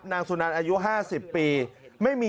แต่ตอนนี้ติดต่อน้องไม่ได้